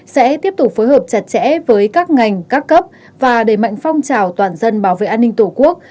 sẽ tiếp tục phối hợp chặt chẽ với các ngành các cấp và đẩy mạnh phong trào toàn dân bảo vệ an ninh tổ quốc